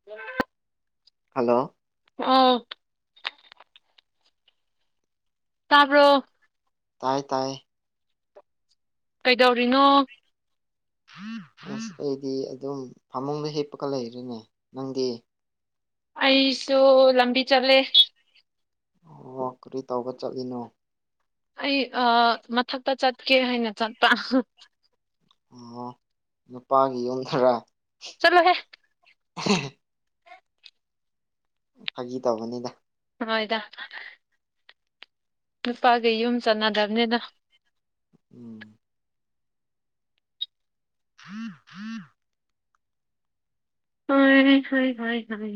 [unintelligible] hello ꯑꯥ ꯇꯥꯕ꯭ꯔꯣ ꯇꯥꯏ ꯇꯥꯏ ꯀꯩꯗꯧꯔꯤꯅꯣ ꯑꯁ ꯑꯩꯗꯤ ꯑꯗꯨꯝ ꯐꯃꯨꯡꯗ ꯍꯤꯞꯄꯒ ꯂꯩꯔꯤꯅꯦ ꯅꯪꯗꯤ ꯑꯩꯁꯨ ꯂꯝꯕꯤ ꯆꯠꯂꯦ ꯑꯣ ꯀꯔꯤ ꯇꯧꯕ ꯆꯠꯂꯤꯅꯣ ꯑꯩ ꯑꯥ ꯃꯊꯛꯇ ꯆꯠꯀꯦ ꯍꯥꯏꯅ ꯆꯠꯄ ꯑꯣ ꯅꯨꯄꯥꯒꯤ ꯌꯨꯝꯗꯔꯣ ꯆꯠꯂꯣꯍꯦ [unintelligible] ꯐꯥꯒꯤ ꯇꯧꯕꯅꯤꯗ ꯍꯣꯏꯗ ꯅꯨꯄꯥꯒꯤ ꯌꯨꯝ ꯆꯠꯅꯗ꯭ꯔꯕꯅꯤꯗ ꯎꯝ [inaudible] ꯍꯣꯏ ꯍꯣꯏ ꯍꯣꯏ ꯍꯣꯏ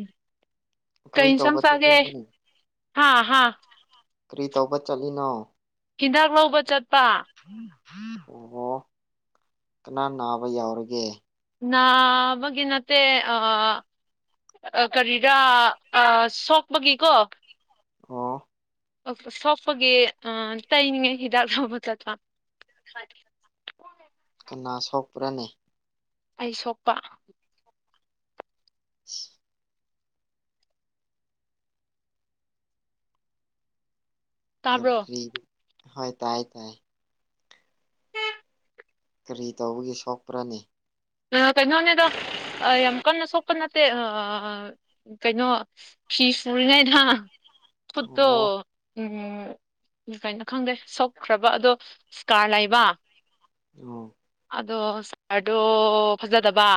ꯀꯔꯤ ꯀꯩ ꯢꯟꯁꯥꯡ ꯇꯧꯕ ꯆꯥꯒꯦ ꯆꯠꯂꯤꯅꯣꯅꯦ ꯍꯥꯥ ꯍꯥꯥ ꯀꯔꯤ ꯇꯧꯕ ꯆꯠꯂꯤꯅꯣ ꯍꯤꯗꯥꯛ ꯂꯧꯕ ꯆꯠꯄ ꯑꯣꯍꯣ ꯀꯅꯥ ꯅꯥꯕ ꯌꯥꯎꯔꯒꯦ ꯅꯕꯒꯤ ꯅꯠꯇꯦ ꯑ ꯑ ꯀꯔꯤꯔ ꯑ ꯁꯣꯛꯄꯒꯤꯀꯣ ꯑꯣ ꯁꯣꯛꯄꯒꯤ ꯑ ꯇꯩꯅꯤꯡꯉꯥꯢ ꯍꯤꯗꯥꯛ ꯂꯧꯕ ꯆꯠꯄ ꯀꯅꯥ ꯁꯣꯛꯄ꯭ꯔꯅꯦ ꯑꯩ ꯁꯣꯛꯄ [unintelligible] ꯇꯥꯕ꯭ꯔꯣ [unintelligible] ꯍꯣꯏ ꯇꯥꯏ ꯇꯥꯏ ꯀꯔꯤ ꯇꯧꯕꯒꯤ ꯁꯣꯛꯄ꯭ꯔꯅꯦ ꯑꯥ ꯀꯩꯅꯣꯅꯤꯗ ꯌꯥꯝ ꯀꯟꯅ ꯁꯣꯛꯄ ꯅꯠꯇꯦ ꯑꯥ ꯀꯩꯅꯣ ꯐꯤ ꯁꯨꯔꯤꯉꯩꯗ ꯈꯨꯠꯇꯣ ꯑꯣ ꯎꯝ ꯀꯩꯅꯣ ꯈꯪꯗꯦ ꯁꯣꯛꯈ꯭ꯔꯕ ꯑꯗꯣ ꯁꯀꯥ꯭ꯔ ꯂꯩꯕ ꯑꯣ ꯑꯗꯣ ꯁꯀ꯭ꯥꯔꯗꯣ ꯐꯖꯗꯕ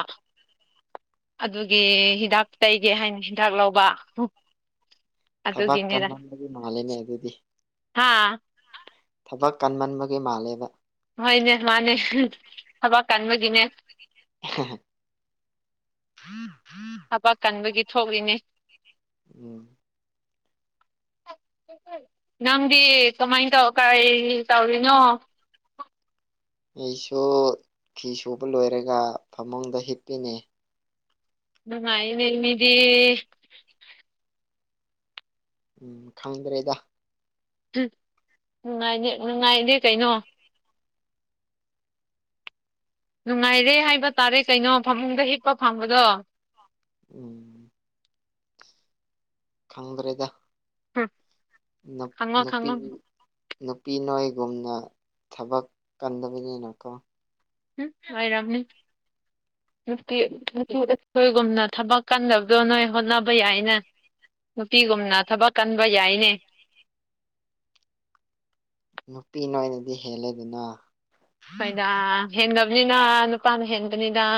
ꯑꯗꯨꯒꯤ ꯍꯤꯗꯥꯛ ꯇꯩꯒꯦ ꯍꯥꯏꯅ ꯍꯤꯗꯥꯛ ꯂꯧꯕ ꯊꯕꯛ ꯑꯗꯨꯒꯤꯅꯤꯗ ꯀꯟꯃꯟꯕꯒꯤ ꯃꯥꯜꯂꯤꯅꯦ ꯑꯗꯨꯗꯤ ꯍꯥꯥ ꯊꯕꯛ ꯀꯟꯃꯟꯕꯒꯤ ꯃꯥꯜꯂꯦꯕ ꯍꯣꯏꯅꯦ ꯃꯥꯅꯦ ꯊꯕꯛ ꯀꯟꯕꯒꯤꯅꯦ [unintelligible] [unintelligible] ꯊꯕꯛ ꯀꯟꯕꯒꯤ ꯊꯣꯛꯂꯤꯅꯦ ꯎꯝ ꯅꯪꯗꯤ ꯀꯃꯥꯏꯅ ꯇꯧꯈ꯭ꯔꯤ ꯀꯩꯇꯧꯔꯤꯅꯣ ꯑꯩꯁꯨ ꯐꯤꯁꯨꯕ ꯂꯣꯏꯔꯒ ꯐꯃꯨꯡꯗ ꯍꯤꯞꯄꯤꯅꯦ ꯅꯨꯡꯉꯥꯏꯌꯦꯅꯦ ꯃꯤꯗꯤ ꯎꯝ ꯈꯪꯗ꯭ꯔꯦꯗ ꯅꯨꯡꯉꯥꯏꯅꯦ ꯅꯨꯡꯉꯥꯏꯅꯦ ꯀꯩꯅꯣ ꯅꯨꯡꯉꯥꯏꯔꯦ ꯍꯥꯏꯕ ꯇꯥꯔꯦ ꯀꯩꯅꯣ ꯐꯃꯨꯡꯗ ꯍꯤꯞꯄ ꯐꯪꯕꯗꯣ ꯎꯝ ꯈꯪꯗ꯭ꯔꯦꯗ ꯍꯨꯝ ꯅꯨꯞ ꯈꯪꯉꯣ ꯅꯨꯄꯤ ꯈꯪꯉꯣ ꯅꯨꯄꯤ ꯅꯣꯏꯒꯨꯝꯅ ꯊꯕꯛ ꯀꯟꯗꯕꯅꯤꯅ ꯀꯣ ꯎꯝ ꯑꯣꯏꯔꯝꯅꯤ ꯅꯨꯄꯤ ꯑꯩꯈꯣꯏꯒꯨꯝꯅ ꯊꯕꯛ ꯀꯟꯗꯕꯗꯣ ꯅꯣꯏ ꯍꯣꯠꯅꯕ ꯌꯥꯏꯅ ꯅꯨꯄꯤꯒꯨꯝꯅ ꯊꯕꯛ ꯀꯟꯕ ꯌꯥꯏꯅꯦ ꯅꯨꯄꯤ ꯅꯣꯏꯅꯗꯤ ꯍꯦꯜꯂꯦꯗꯅ ꯍꯣꯏꯗ ꯍꯦꯟꯗꯕꯅꯤꯅ ꯅꯨꯄꯥꯅ ꯍꯦꯟꯕꯅꯤꯗ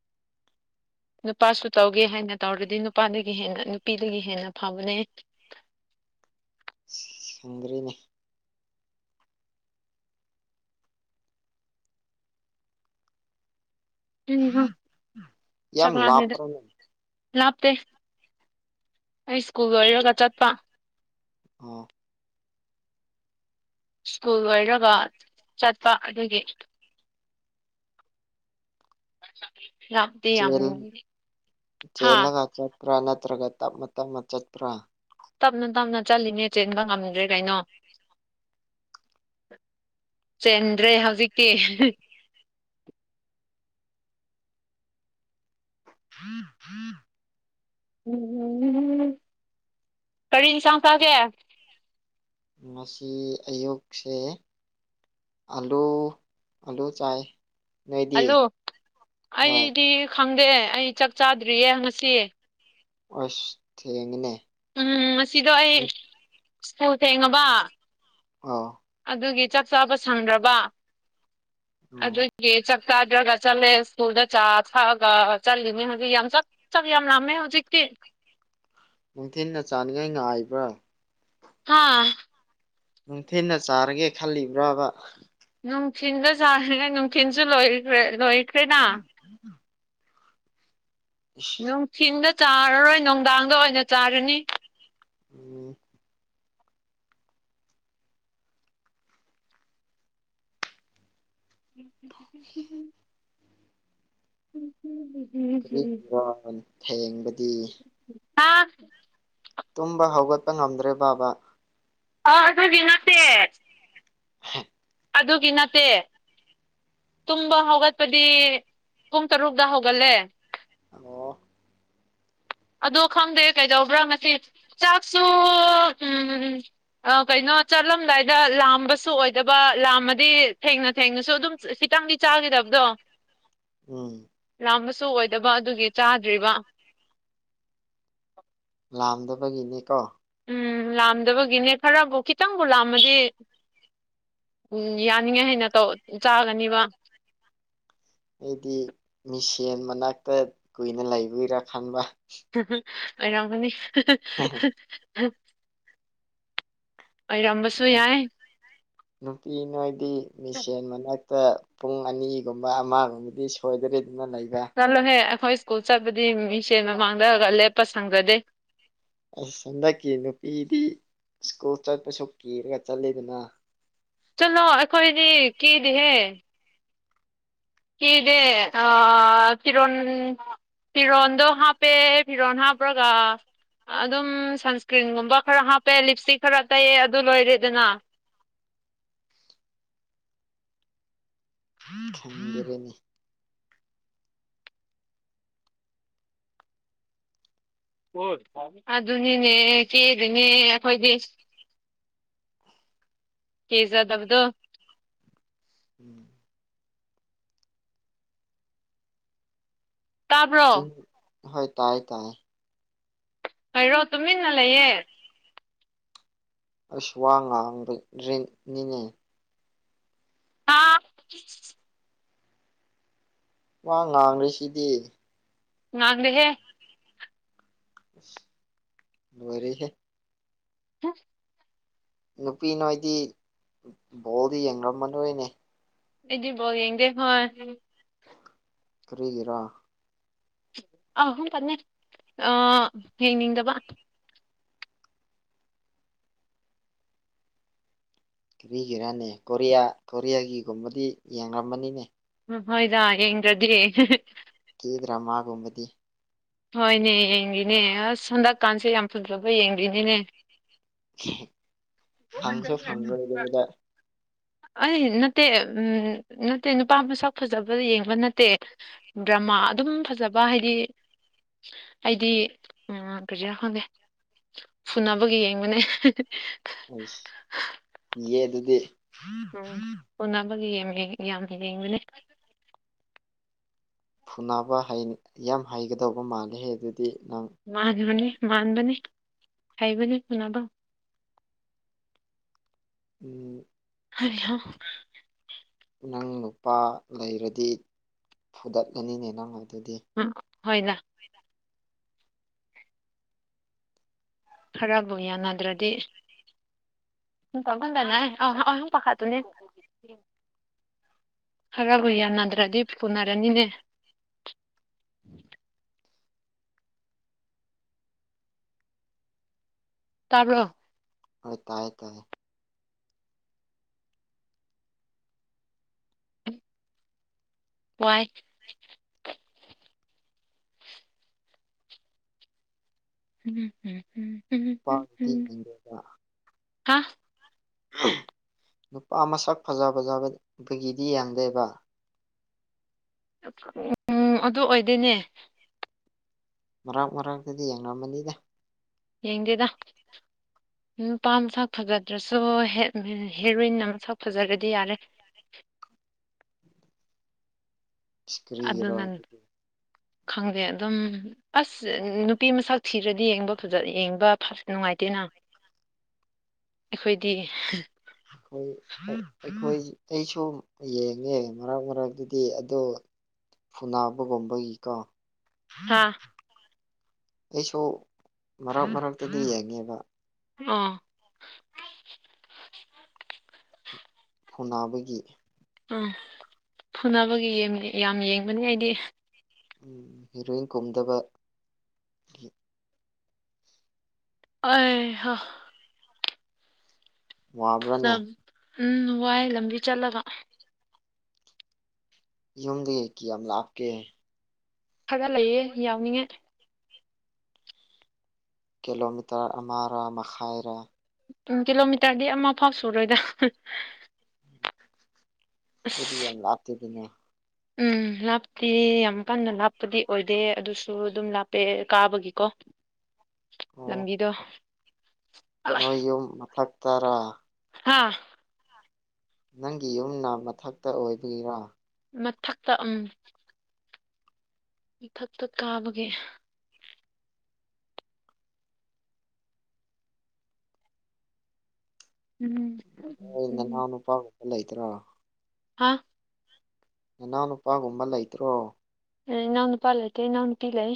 [inaudible] ꯅꯨꯄꯥꯁꯨ ꯇꯧꯒꯦ ꯍꯥꯏꯅ ꯇꯧꯔꯗꯤ ꯅꯨꯄꯥꯗꯒꯤ ꯍꯦꯟꯅ ꯅꯨꯄꯤꯗꯒꯤ ꯍꯦꯟꯅ ꯐꯕꯅꯦ ꯁꯪꯗ꯭ꯔꯦꯅꯦ ꯀꯔꯤꯅꯣ ꯌꯥꯝ ꯆꯥꯛ ꯂꯥꯝꯃꯤꯗ ꯂꯥꯞꯄ꯭ꯔꯅꯦ ꯂꯥꯞꯇꯦ ꯑꯩ ꯁ꯭ꯀꯨꯜ ꯂꯣꯏꯔꯒ ꯆꯠꯄ ꯑꯣ ꯁ꯭ꯀꯨꯜ ꯂꯣꯏꯔꯒ ꯆꯠꯄ ꯑꯗꯨꯒꯤ [unintelligible] ꯆꯦꯜ ꯍꯥ ꯆꯦꯜꯂꯒ ꯆꯠꯄ꯭ꯔꯥ ꯅꯠꯇ꯭ꯔꯒ ꯇꯞꯅ ꯇꯞꯅ ꯆꯠꯄ꯭ꯔꯥ ꯇꯞꯅ ꯇꯞꯅ ꯆꯠꯂꯤꯅꯦ ꯆꯦꯟꯕ ꯉꯝꯗ꯭ꯔꯦ ꯀꯩꯅꯣ ꯆꯦꯟꯗ꯭ꯔꯦ ꯍꯧꯖꯤꯛꯇꯤ [unintelligible] ꯎꯝ ꯀꯔꯤ ꯏꯟꯁꯥꯡ ꯆꯥꯒꯦ ꯉꯁꯤ ꯑꯌꯨꯛꯁꯦ ꯑꯂꯨ ꯑꯂꯨ ꯆꯥꯏ ꯅꯣꯏꯗꯤ ꯑꯂꯨ ꯍꯣꯏ ꯑꯩꯗꯤ ꯈꯪꯗꯦ ꯑꯩ ꯆꯥꯛ ꯆꯥꯗ꯭ꯔꯤꯌꯦ ꯉꯁꯤ ꯑꯁ ꯊꯦꯡꯉꯦꯅꯦ ꯎꯝ ꯉꯁꯤꯗꯣ ꯑꯩ ꯁ꯭ꯀꯨꯜ ꯊꯦꯡꯉꯕ ꯑꯣ ꯑꯗꯨꯒꯤ ꯆꯥꯛ ꯆꯥꯕ ꯁꯪꯗ꯭ꯔꯕ ꯑꯣ ꯑꯗꯨꯒꯤ ꯆꯥꯛ ꯆꯥꯗ꯭ꯔꯒ ꯆꯠꯂꯦ ꯁ꯭ꯀꯨꯜꯗ ꯆꯥ ꯊꯛꯑꯒ ꯆꯠꯂꯤꯅꯦ ꯍꯧꯖꯤꯛ ꯌꯥꯝ ꯆꯥꯛ ꯆꯥꯛ ꯌꯥꯝ ꯂꯥꯝꯃꯦ ꯍꯧꯖꯤꯛꯇꯤ ꯅꯨꯡꯊꯤꯜꯅ ꯆꯥꯅꯤꯉꯥꯢ ꯉꯥꯏꯕ꯭ꯔꯥ ꯍꯥꯥ ꯅꯨꯡꯊꯤꯟꯅ ꯆꯥꯔꯒꯦ ꯈꯜꯂꯤꯕ꯭ꯔꯕ ꯅꯨꯡꯊꯤꯟꯗ ꯆꯥꯁꯤꯔ ꯅꯨꯡꯊꯤꯟꯁꯨ ꯂꯣꯢꯈ꯭ꯔꯦ ꯂꯣꯏꯈ꯭ꯔꯦꯅ ꯏꯁ ꯅꯨꯡꯊꯤꯟꯗ ꯆꯥꯔꯔꯣꯏ ꯅꯨꯡꯗꯥꯡꯗ ꯑꯣꯏꯅ ꯆꯥꯔꯅꯤ ꯎꯝ [unintelligible] [unintelligible] ꯀꯔꯤꯒꯤꯔ ꯊꯦꯡꯕꯗꯤ ꯍꯥ ꯇꯨꯝꯕ ꯍꯧꯒꯠꯄ ꯉꯝꯗ꯭ꯔꯦ ꯕꯥꯕꯥ ꯑ ꯑꯗꯨꯗꯤ ꯅꯠꯇꯦ ꯍ ꯑꯗꯨꯒꯤ ꯅꯠꯇꯦ ꯇꯨꯝꯕ ꯍꯧꯒꯠꯄꯗꯤ ꯄꯨꯡ ꯇꯔꯨꯛꯇ ꯍꯧꯒꯠꯂꯦ ꯑꯣ ꯑꯗꯣ ꯈꯪꯗꯦ ꯀꯩꯗꯧꯕ꯭ꯔꯥ ꯉꯁꯤ ꯆꯥꯛꯁꯨ ꯎꯝ ꯑ ꯀꯩꯅꯣ ꯆꯠꯂꯝꯗꯥꯏꯗ ꯂꯥꯝꯕꯁꯨ ꯑꯣꯏꯗꯕ ꯂꯥꯝꯃꯗꯤ ꯊꯦꯡꯅ ꯊꯦꯡꯅꯁꯨ ꯑꯗꯨꯝ ꯈꯤꯇꯪꯗꯤ ꯆꯥꯒꯗꯕꯗꯣ ꯎꯝ ꯂꯥꯝꯕꯁꯨ ꯑꯣꯏꯗꯕ ꯑꯗꯨꯒꯤ ꯆꯥꯗ꯭ꯔꯤꯕ [inaudible] ꯂꯥꯝꯗꯕꯒꯤꯅꯦ ꯀꯣ ꯎꯝ ꯂꯥꯝꯗꯕꯒꯤꯅꯦ ꯈꯔꯕꯨ ꯈꯤꯇꯪꯕꯨ ꯂꯥꯝꯃꯗꯤ ꯎꯝ ꯌꯥꯅꯤꯡꯉꯦ ꯍꯥꯏꯅ ꯇꯧ ꯆꯥꯒꯅꯤꯕ ꯑꯩꯗꯤ ꯃꯤꯁꯦꯟ ꯃꯅꯥꯛꯇ ꯀꯨꯏꯅ ꯂꯩꯕꯒꯤꯔꯥ ꯈꯟꯕ [unintelligible] ꯑꯣꯏꯔꯝꯒꯅꯤ [unintelligible] [unintelligible] ꯑꯣꯏꯔꯝꯕꯁꯨ ꯌꯥꯏ ꯅꯨꯄꯤ ꯅꯣꯏꯗꯤ ꯃꯤꯁꯦꯟ ꯃꯅꯥꯛ ꯇ ꯄꯨꯡ ꯑꯅꯤꯒꯨꯝꯕ ꯑꯃꯒꯨꯝꯕꯗꯤ ꯁꯣꯏꯗꯔꯦꯗꯅ ꯂꯩꯕ ꯆꯠꯂꯣꯍꯦ ꯑꯩꯈꯣꯏ ꯁ꯭ꯀꯨꯜ ꯆꯠꯄꯗꯤ ꯃꯤꯁꯦꯜ ꯃꯃꯥꯡꯗꯒ ꯂꯦꯞꯄ ꯁꯪꯖꯗꯦ ꯑꯁ ꯍꯟꯗꯛꯀꯤ ꯅꯨꯄꯤꯗꯤ ꯁ꯭ꯀꯨꯜ ꯆꯠꯄꯁꯨ ꯀꯦꯔꯒ ꯆꯠꯂꯦꯗꯅ ꯆꯠꯂꯣ ꯑꯩꯈꯣꯏꯗꯤ ꯀꯦꯗꯦꯍꯦ ꯀꯦꯗꯦ ꯑ ꯐꯤꯔꯣꯟ ꯐꯤꯔꯣꯟꯗꯣ ꯍꯥꯞꯄꯦ ꯐꯤꯔꯣꯟ ꯍꯥꯞꯄ꯭ꯔꯒ ꯑꯗꯨꯝ ꯁꯟꯁꯀ꯭ꯔꯤꯟꯒꯨꯝꯕ ꯈꯔ ꯍꯥꯞꯄꯦ ꯂꯤꯞꯏꯇꯤꯛ ꯈꯔ ꯇꯩꯑꯦ ꯑꯗꯨ ꯂꯣꯏꯔꯦꯗꯅ [unintelligible] [unintelligible] ꯍꯣꯢ ꯑꯗꯨꯅꯤꯅꯦ ꯀꯦꯗꯦꯅꯦ ꯑꯩꯈꯣꯏꯗꯤ ꯀꯦꯖꯥꯗꯕꯗꯣ ꯎꯝ ꯇꯥꯕ꯭ꯔꯣ [unintelligible] ꯍꯣꯏ ꯇꯥꯏꯌꯦ ꯇꯥꯏꯌꯦ ꯀꯩꯔꯣ ꯇꯨꯃꯤꯟꯅ ꯂꯩꯌꯦ ꯑꯩꯁꯨ ꯋꯥ ꯉꯥꯡꯕ [unintelligible] ꯅꯤꯅꯦ ꯍꯥ ꯋꯥ ꯉꯥꯡꯔꯤꯁꯤꯗꯤ ꯉꯥꯡꯗꯦꯍꯦ ꯑꯁ ꯂꯣꯢꯔꯦꯍꯦ [unintelligible] ꯅꯨꯄꯤ ꯅꯣꯏꯗꯤ ꯕꯣꯜꯗꯤ ꯌꯦꯡꯂꯝ ꯃꯔꯣꯏꯅꯦ ꯑꯩꯗꯤ ꯕꯣꯜ ꯌꯦꯡꯗꯦ ꯍꯣꯏ [unintelligible] ꯀꯔꯤꯒꯤꯔꯥ ꯑꯍꯨꯝ ꯇꯪꯅꯦ ꯑꯥ ꯌꯦꯡꯅꯤꯡꯗꯕ ꯃꯤꯒꯤꯔꯅꯦ ꯀꯣꯔꯤꯌꯥ ꯀꯣꯔꯤꯌꯥꯒꯤꯒꯨꯝꯕꯗꯤ ꯌꯦꯡꯂꯝꯃꯅꯤꯅꯦ ꯎꯝ ꯍꯣꯏꯗ ꯌꯦꯡꯗ꯭ꯔꯗꯤ ꯀꯦ ꯗ꯭ꯔꯥꯃꯥꯒꯨꯝꯕꯗꯤ ꯍꯣꯏꯅꯦ ꯌꯦꯡꯒꯦꯅꯦ ꯑꯁ ꯍꯟꯗꯛꯀꯥꯟꯁꯦ ꯌꯥꯝ ꯐꯖꯕ ꯌꯦꯡꯗꯤꯅꯤꯅꯦ [inaudible] ꯐꯪꯁꯨ ꯐꯪꯉꯔꯣꯏꯗꯕꯗ ꯑꯩ ꯅꯠꯇꯦ ꯎꯝ ꯅꯠꯇꯦ ꯅꯨꯄꯥ ꯃꯁꯛ ꯐꯖꯕ ꯌꯦꯡꯕ ꯅꯠꯇꯦ ꯗ꯭ꯔꯃꯥ ꯑꯗꯨꯝ ꯐꯖꯕ ꯍꯥꯏꯗꯤ ꯍꯥꯏꯗꯤ ꯎꯝ ꯀꯔꯤꯔ ꯈꯪꯗꯦ ꯐꯨꯅꯕꯒꯤ ꯌꯦꯡꯕꯅꯦ ꯍꯦꯍꯦ ꯑꯁ ꯀꯤꯌꯦ ꯑꯗꯨꯗꯤ ꯎꯝ ꯐꯨꯅꯕꯒꯤ ꯌꯦꯡꯏ ꯌꯥꯝ ꯌꯦꯡꯕꯅꯦ ꯐꯨꯅꯕ ꯍꯩ ꯌꯥꯝ ꯍꯩꯒꯗꯧꯕ ꯃꯥꯜꯂꯦ ꯍꯦ ꯑꯗꯨꯗꯤ ꯅꯪ ꯃꯥꯟꯕꯅꯤ ꯃꯥꯟꯕꯅꯤ ꯍꯩꯕꯅꯤ ꯐꯨꯅꯕ ꯎꯝ ꯍꯩ ꯍꯥ ꯅꯪ ꯅꯨꯨꯄꯥ ꯂꯩꯔꯗꯤ ꯐꯨꯗꯠꯂꯅꯤꯅꯦ ꯅꯪ ꯑꯗꯨꯗꯤ ꯎꯝ ꯍꯣꯏꯗ ꯈꯥꯔꯕꯨ ꯌꯥꯅꯗ꯭ꯔꯗꯤ [unintelligible] ꯑꯥ ꯑꯥ ꯄꯈꯠꯄꯅꯦ ꯈꯥꯔꯕꯨ ꯌꯥꯅꯗ꯭ꯔꯗꯤ ꯐꯨꯟꯅꯔꯅꯤꯅꯦ ꯇꯕ꯭ꯔꯣ ꯑꯥ ꯇꯥꯏ ꯇꯥꯏ ꯋꯥꯏ ꯍꯝ ꯍꯝ ꯍꯝ ꯅꯨꯄꯥꯒꯤꯗꯤ ꯌꯦꯡꯗꯦꯕ ꯍꯥꯥ ꯅꯨꯄꯥ ꯃꯁꯛ ꯐꯖꯕ ꯌꯥꯎꯔ ꯅꯨꯄꯤꯒꯤꯗꯤ ꯌꯥꯝꯗꯦꯕ ꯎꯝ ꯑꯗꯨ ꯑꯣꯏꯗꯣꯏꯅꯦ ꯃꯔꯛ ꯃꯔꯛꯇꯗꯤ ꯌꯦꯡꯉꯝꯃꯅꯤꯗ ꯌꯦꯡꯗꯦꯗ ꯅꯨꯄꯥꯝ ꯃꯁꯛ ꯐꯖꯗ꯭ꯔꯁꯨ ꯍꯦ ꯍꯦꯔꯣꯏꯟ ꯃꯁꯛ ꯐꯖꯔꯗꯤ ꯌꯥꯔꯦ ꯏꯁ ꯀꯔꯤꯒꯤꯔꯣ ꯑꯗꯨꯅ ꯑꯗꯨꯗꯤ ꯈꯪꯗꯦ ꯑꯗꯨꯝ ꯑꯁ ꯅꯨꯄꯤ ꯃꯁꯛ ꯊꯤꯔꯗꯤ ꯌꯦꯡꯕ ꯐꯖꯅ ꯌꯦꯡꯕ ꯐ ꯅꯨꯡꯉꯥꯏꯇꯦꯅ [inaudible] ꯑꯈꯣꯏꯗꯤ ꯑꯈꯣꯏ ꯑꯩꯈꯣꯏ ꯑꯩꯁꯨ ꯌꯦꯡꯉꯦ ꯃꯔꯛ ꯃꯔꯛꯇꯛꯇꯗꯤ ꯑꯗꯣ ꯐꯨꯅꯥꯕꯒꯨꯝꯕꯒꯤꯀꯣ ꯍꯥ ꯑꯩꯁꯨ ꯃꯔꯛ ꯃꯔꯛꯇꯗꯤ ꯌꯦꯡꯉꯦꯕ ꯑꯥ ꯐꯨꯅꯕꯒꯤ ꯑꯝ ꯐꯨꯅꯕꯒꯤ ꯌꯦ ꯌꯥꯝ ꯌꯦꯡꯕꯅꯤ ꯑꯩꯗꯤ ꯎꯝ ꯍꯦꯔꯣꯏꯟ ꯀꯨꯝꯗꯕꯒꯤ ꯑꯩ ꯍꯥ ꯐꯨꯅ ꯋꯥꯕ꯭ꯔꯥꯅꯦ ꯎꯝ ꯋꯥꯏ ꯂꯝꯕꯤ ꯆꯠꯂꯒ ꯌꯨꯝꯗꯤ ꯀꯤꯌꯥꯝ ꯂꯞꯀꯦ ꯐꯒꯠꯂꯛꯏꯌꯦ ꯌꯥꯎꯅꯤꯡꯉꯥꯏ ꯀꯤꯂꯣꯃꯤꯇꯔ ꯑꯃꯔ ꯃꯈꯥꯏꯔꯥ ꯎꯝ ꯀꯤꯂꯣꯃꯤꯇꯔꯗꯤ ꯑꯃ ꯐꯥꯎ ꯁꯨꯔꯣꯏꯗ ꯑꯗꯨꯗꯤ ꯌꯥꯝ ꯂꯥꯞꯇꯦꯗꯅ ꯎꯝ ꯂꯥꯞꯇꯦ ꯌꯥꯝ ꯀꯟꯅ ꯂꯥꯞꯄꯗꯤ ꯑꯣꯏꯗꯦ ꯑꯗꯨꯁꯨ ꯑꯗꯨꯝ ꯂꯥꯞꯄꯦ ꯀꯥꯕꯒꯤꯀꯣ [inaudible] ꯑꯣ ꯂꯝꯕꯤꯗꯣ ꯑꯂꯥꯏ ꯅꯣꯏ ꯌꯨꯝ ꯃꯊꯛꯇꯔꯥ ꯍꯥꯥ ꯅꯪꯒꯤ ꯌꯨꯝꯅ ꯃꯊꯛꯇ ꯑꯣꯏꯕꯒꯤꯔꯥ ꯃꯊꯛꯇ ꯎꯝ ꯃꯊꯛꯇ ꯀꯥꯕꯒꯤ ꯎꯝ ꯎꯝ ꯅꯅꯥꯎ ꯅꯨꯄꯥꯒꯨꯝꯕ ꯂꯩꯇ꯭ꯔꯣ ꯍꯥꯥ ꯅꯅꯥꯎꯅꯨꯄꯥꯒꯨꯝꯕ ꯂꯩꯇ꯭ꯔꯣ ꯑꯦ ꯏꯅꯥꯎꯅꯨꯄꯥ ꯂꯩꯇꯦ ꯏꯅꯥꯎꯅꯨꯄꯤ ꯂꯩ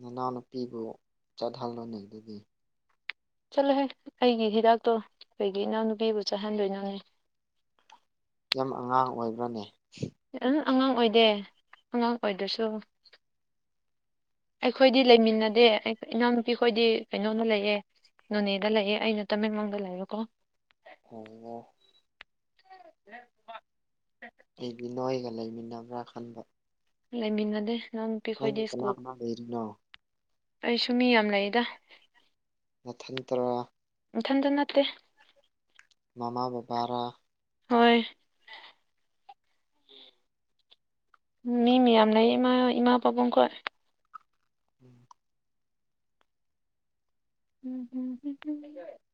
ꯅꯅꯥꯎꯅꯨꯄꯤꯕꯨ ꯆꯠꯍꯜꯂꯣꯅꯦ ꯑꯗꯨꯗꯤ ꯆꯠꯂꯨꯍꯦ ꯑꯩꯒꯤ ꯍꯤꯗꯥꯛꯇꯣ ꯀꯩꯒꯤ ꯏꯅꯥꯎꯅꯨꯄꯤꯕꯨ ꯆꯠꯍꯟꯗꯣꯏꯅꯣꯅꯦ ꯌꯥꯝ ꯑꯉꯥꯡ ꯑꯣꯏꯕ꯭ꯔꯅꯦ ꯑꯝ ꯑꯉꯥꯡ ꯑꯣꯏꯗꯦ ꯑꯉꯥꯡ ꯑꯣꯏꯗ꯭ꯔꯁꯨ ꯑꯩꯈꯣꯏꯗꯤ ꯂꯩꯃꯤꯟꯅꯗꯦ ꯑꯩ ꯏꯅꯥꯎꯅꯨꯄꯤ ꯈꯣꯏꯗꯤ ꯀꯩꯅꯣꯗ ꯂꯩꯌꯦ ꯅꯣꯅꯦꯗ ꯂꯩꯌꯦ ꯑꯩꯅ ꯇꯃꯦꯡꯂꯣꯡꯗ ꯂꯩꯕꯀꯣ [unintelligible] [inaudible] ꯑꯩꯗꯤ ꯅꯣꯏꯒ ꯂꯩꯃꯤꯟꯅꯕ꯭ꯔꯥ ꯈꯟꯕ ꯂꯩꯃꯤꯟꯅꯗꯦ ꯅꯪꯗꯤ ꯏꯅꯥꯎꯄꯤꯍꯣꯢꯗꯤ ꯀꯅꯥ ꯁ꯭ꯀꯨꯜ ꯀꯅꯥ ꯂꯩꯔꯤꯅꯣ ꯑꯩꯁꯨ ꯃꯤ ꯌꯥꯝ ꯂꯩꯗ ꯅꯊꯟꯇꯔꯥ ꯅꯊꯟꯇ ꯅꯠꯇꯦ ꯃꯃꯥ ꯕꯕꯥꯔꯥ ꯍꯣꯏ ꯃꯤ ꯃꯌꯥꯝ ꯂꯩꯌꯦ ꯏꯃꯥ ꯏꯃꯥ ꯄꯥꯕꯨꯡ ꯈꯣꯢ ꯎꯝ ꯎꯝꯎꯝ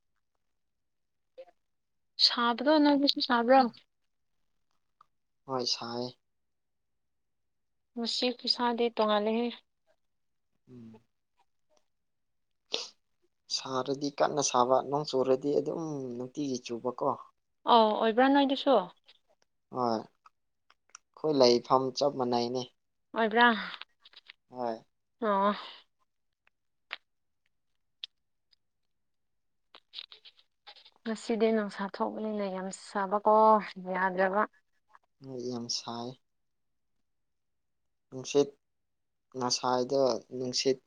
ꯁꯥꯕꯗꯣ ꯅꯪꯒꯤꯁꯨ ꯁꯥꯕ꯭ꯔꯣ ꯍꯣꯏ ꯁꯥꯏ ꯉꯁꯤ ꯈꯨꯁꯥꯥꯗꯤ ꯇꯣꯉꯥꯜꯂꯦꯍꯦ ꯎꯝ ꯁꯥꯔꯗꯤ ꯀꯟꯅ ꯁꯥꯕ ꯅꯣꯡ ꯆꯨꯔꯗꯤ ꯑꯗꯨꯝ ꯅꯨꯡꯇꯤꯒꯤ ꯆꯨꯕꯀꯣ ꯑꯧ ꯑꯣꯏꯕ꯭ꯔꯥ ꯅꯣꯏꯗꯁꯨ ꯍꯣꯏ ꯑꯩꯈꯣꯏ ꯂꯩꯐꯝ ꯆꯞ ꯃꯥꯟꯅꯩꯅꯦ ꯑꯣꯏꯕ꯭ꯔꯥ ꯍꯣꯏ ꯑꯣ ꯉꯁꯤꯗꯤ ꯅꯨꯡꯁꯥ ꯊꯣꯛꯕꯅꯤꯅ ꯌꯥꯝ ꯁꯥꯕꯀꯣ ꯌꯥꯗ꯭ꯔꯕ ꯍꯣꯢ ꯌꯥꯝ ꯁꯥꯏ ꯅꯨꯡꯁꯤꯠ ꯉꯁꯥꯏꯗꯣ ꯅꯨꯡꯁꯤꯠ